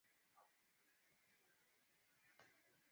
na jeshi la polisi nchini uganda limetumia mabomu ya machozi